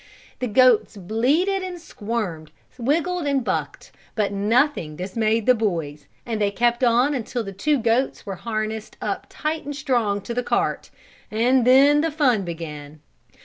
The goats bleated and squirmed, wiggled and bucked, but nothing dismayed the boys and they kept on until the two goats were harnessed up tight and strong to the cart, and then the fun began.